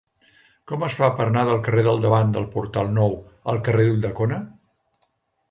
Com es fa per anar del carrer del Davant del Portal Nou al carrer d'Ulldecona?